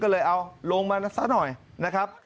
ก็เลยเอาลงมาซะหน่อยนะครับ